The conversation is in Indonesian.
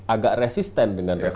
agak resisten dengan reputasi